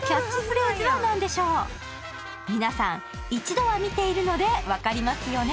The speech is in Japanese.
一度は見ているので分かりますよね？